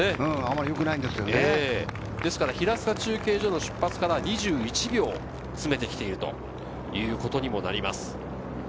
平塚中継所の出発から２１秒を詰めてきているということにもなります。